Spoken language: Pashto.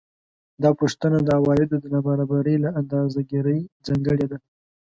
دا پوښتنه د عوایدو د نابرابرۍ له اندازه ګیرۍ ځانګړې ده